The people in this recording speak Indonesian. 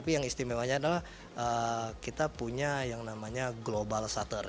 yang istimewanya adalah kita punya yang namanya global shutter